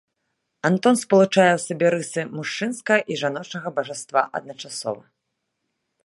Атон спалучае ў сабе рысы мужчынскага і жаночага бажаства адначасова.